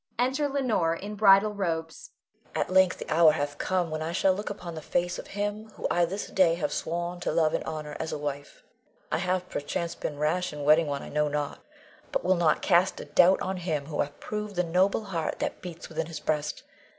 Enter Leonore, in bridal robes.] Leonore. At length the hour hath come, when I shall look upon the face of him whom I this day have sworn to love and honor as a wife. I have, perchance, been rash in wedding one I know not, but will not cast a doubt on him who hath proved the noble heart that beats within his breast.